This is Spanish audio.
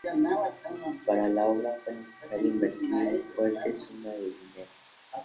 Para la obra fue necesario invertir una fuerte suma de dinero.